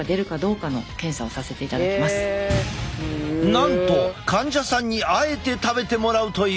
なんと患者さんにあえて食べてもらうという！